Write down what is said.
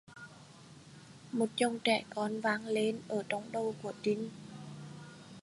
Một dòng trẻ con vang lên ở trong đầu của Trinh